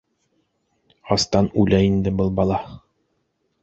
Астан үлә инде был бала!